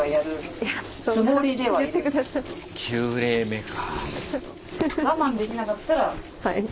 ９例目か。